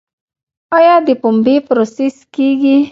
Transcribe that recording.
آیا د پنبې پروسس کیږي؟